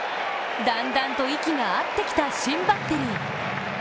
だんだんと息が合ってきた新バッテリー。